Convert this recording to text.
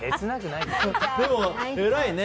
でも、偉いね。